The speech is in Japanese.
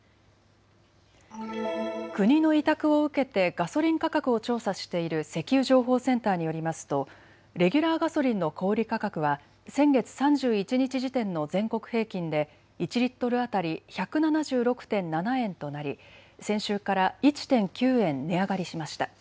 国の委託を受けてガソリン価格を調査している石油情報センターによりますとレギュラーガソリンの小売価格は先月３１日時点の全国平均で１リットル当たり１７６．７円となり先週から１．９円値上がりしました。